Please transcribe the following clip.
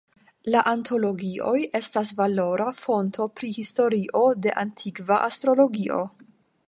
La antologioj estas valora fonto pri historio de antikva astrologio.